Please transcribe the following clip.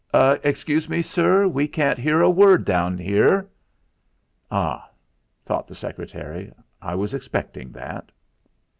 "Excuse me, sir; we can't hear a word down here." '.h!' thought the secretary, 'I was expecting that.'